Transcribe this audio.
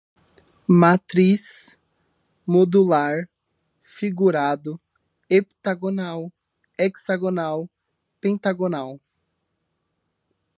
matriz, modular, figurado, heptagonal, hexagonal, pentagonal